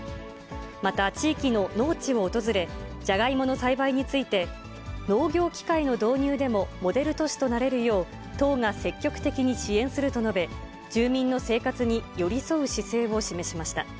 また、地域の農地を訪れ、ジャガイモの栽培について、農業機械の導入でもモデル都市となれるよう、党が積極的に支援すると述べ、住民の生活に寄り添う姿勢を示しました。